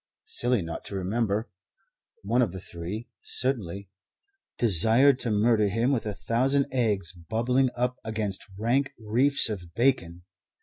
silly not to remember one of the three, certainly desired to murder him with a thousand eggs bubbling up against rank reefs of bacon.